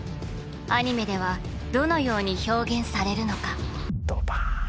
アニメではどのように表現されるのか。